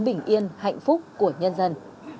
bình yên hạnh phúc của nhân dân